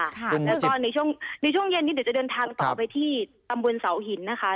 แล้วก็ในช่วงในช่วงเย็นนี้เดี๋ยวจะเดินทางต่อไปที่ตำบลเสาหินนะคะ